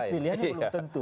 pilihannya belum tentu